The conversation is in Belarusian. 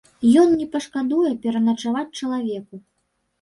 Ён не пашкадуе пераначаваць чалавеку.